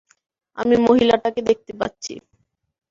আমি মহিলাটাকে দেখতে পাচ্ছি।